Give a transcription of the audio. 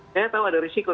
saya tahu ada risiko